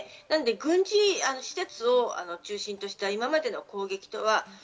軍事施設を中心とした今までの攻撃とは。